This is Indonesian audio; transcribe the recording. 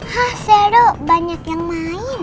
hah seldo banyak yang main